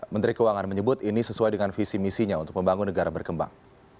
menteri keuangan menyebut ini sesuai dengan visi misinya untuk membangun negara berkembang